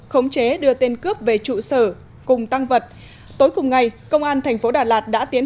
khống chế đưa tên cướp về trụ sở cùng tăng vật tối cùng ngày công an thành phố đà lạt đã tiến